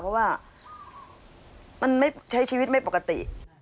เพราะว่ามันไม่ใช้ชีวิตไม่ปกติ